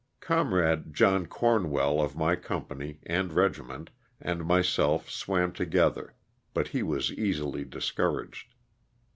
Comrade John Corn well of my company and regiment and myself swsm together, but he was easily discouraged.